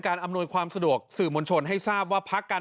อำนวยความสะดวกสื่อมวลชนให้ทราบว่าพักการ